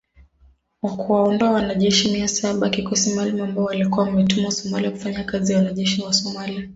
Wa kuwaondoa wanajeshi mia saba wa kikosi maalum ambao walikuwa wametumwa Somalia kufanya kazi na wanajeshi wa Somalia.